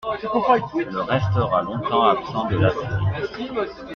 Le restera longtemps absent de la série.